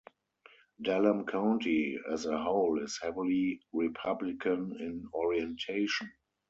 Dallam County as a whole is heavily Republican in orientation.